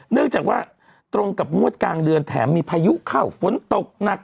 เนื่องจากว่าตรงกับงวดกลางเดือนแถมมีพายุเข้าฝนตกหนัก